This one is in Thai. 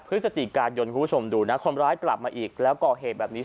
เพื่อสถิติการยนต์คุณผู้ชมดูนะคนร้ายกลับมาอีกแล้วก็เหตุแบบนี้